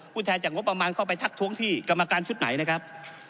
แทนจากงบประมาณเข้าไปทักท้วงที่กรรมการชุดไหนนะครับ